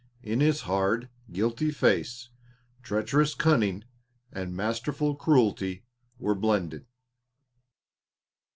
In his hard, guilty face treacherous cunning and masterful cruelty were blended.